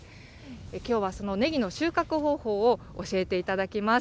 きょうはそのねぎの収穫方法を教えていただきます。